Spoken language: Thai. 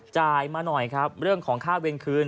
จ่ายมาหน่อยครับเรื่องของค่าเวรคืน